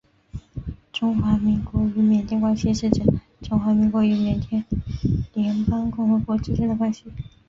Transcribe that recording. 中华民国与缅甸关系是指中华民国与缅甸联邦共和国之间的关系。